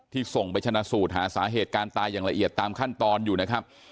ส่งไปชนะสูตรหาสาเหตุการณ์ตายอย่างละเอียดตามขั้นตอนอยู่นะครับ